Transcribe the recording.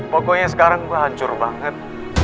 pokoknya sekarang hancur banget